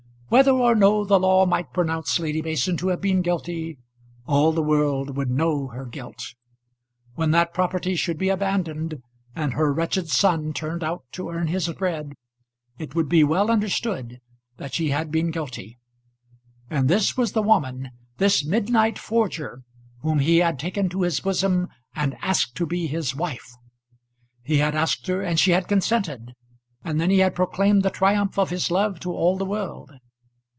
Whether or no the law might pronounce Lady Mason to have been guilty, all the world would know her guilt. When that property should be abandoned, and her wretched son turned out to earn his bread, it would be well understood that she had been guilty. And this was the woman, this midnight forger, whom he had taken to his bosom, and asked to be his wife! He had asked her, and she had consented, and then he had proclaimed the triumph of his love to all the world.